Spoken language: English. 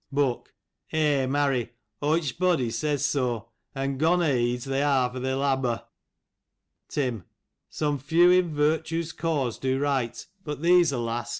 "Book: Eigh, marry; oytch body says so; an gonnor yeds they are foe their labbor. Tim :" Some few in virtue's cause do write, But these, alas